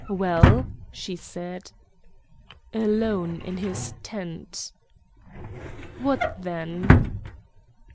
"Well?" she said. "Alone in his tent." "What then?"